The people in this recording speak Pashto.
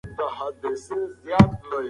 هغه د مازیګر په رڼا کې ناسته وه.